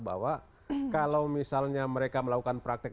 bahwa kalau misalnya mereka melakukan praktek